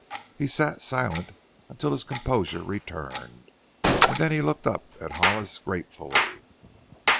He sat silent until his composure returned, and then he looked up at Hollis gratefully.